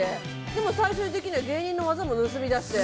でも、最終的には芸人の技も盗み出して。